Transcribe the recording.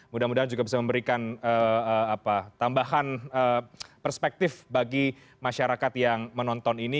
mudah mudahan juga bisa memberikan tambahan perspektif bagi masyarakat yang menonton ini